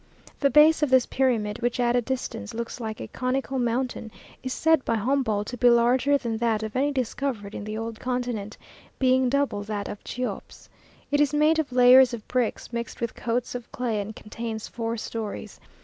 The base of this pyramid, which at a distance looks like a conical mountain, is said by Humboldt to be larger than that of any discovered in the old continent, being double that of Cheops. It is made of layers of bricks mixed with coats of clay and contains four stories.